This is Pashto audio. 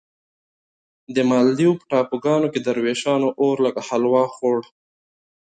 د مالدیو په ټاپوګانو کې دروېشان اور لکه حلوا خوړ.